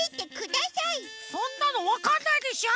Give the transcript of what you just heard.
そんなのわかんないでしょ！